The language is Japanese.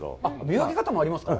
見分け方もありますか？